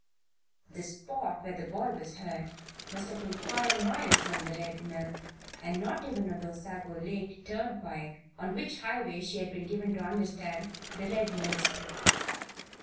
The spot where the boy was hurt must have been five miles from the Red Mill, and not even on the Osago Lake turnpike, on which highway she had been given to understand the Red Mill stood.